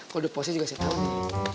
kode posnya juga saya tau nih